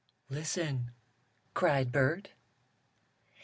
"Listen!" cried Bert.